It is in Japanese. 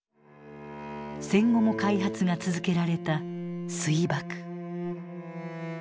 戦後も開発が続けられた「水爆」。